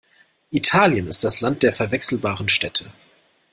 Italien ist das Land der verwechselbaren Städte.